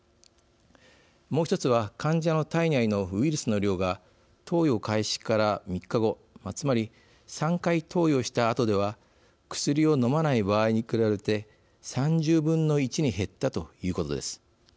もう１つは患者の体内のウイルスの量が投与開始から３日後つまり３回投与したあとでは薬を飲まない場合に比べて３０分の１に減ったということです。